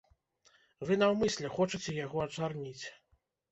Вы наўмысля хочаце яго ачарніць.